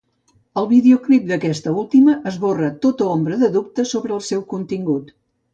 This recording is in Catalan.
El videoclip d’aquesta última esborra tota ombra de dubte sobre el seu contingut.